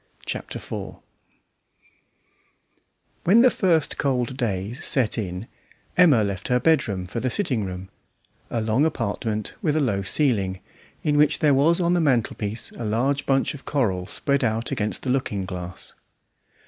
Chapter Four When the first cold days set in Emma left her bedroom for the sitting room, a long apartment with a low ceiling, in which there was on the mantelpiece a large bunch of coral spread out against the looking glass.